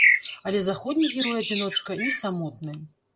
Але заходні герой-адзіночка не самотны.